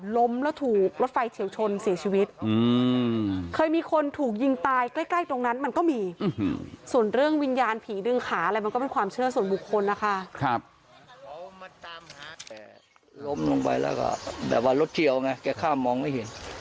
ล้มลงไปแล้วก็แบบว่ารถเจียวไงแกข้ามมองไม่เห็น